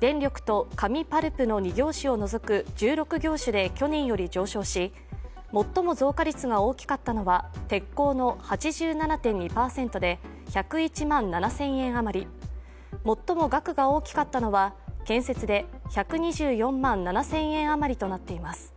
電力と、紙・パルプの２業種を除く１６業種で去年より上昇し最も増加率が大きかったのは鉄鋼の８７．２％で１０１万７０００円余り、最も額が大きかったのは建設で１２４万７０００円余りとなっています。